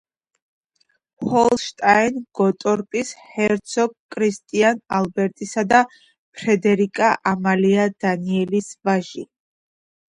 ჰოლშტაინ-გოტორპის ჰერცოგ კრისტიან ალბერტისა და ფრედერიკა ამალია დანიელის ვაჟი.